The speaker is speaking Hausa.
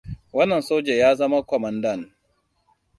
Wannan soja ya zama kwamandan